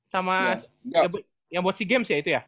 sama yang buat sea games ya itu ya